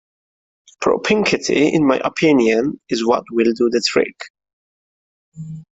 Propinquity, in my opinion, is what will do the trick.